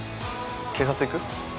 警察行く？